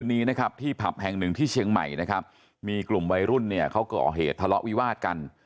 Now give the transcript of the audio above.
วันนี้นะครับที่ผับแห่งหนึ่งที่เชียงใหม่นะครับมีกลุ่มวัยรุ่นเนี่ยเขาก่อเหตุทะเลาะวิวาดกัน